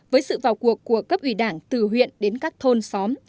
với sự vào cuộc của cấp ủy đảng từ huyện đến các thôn xóm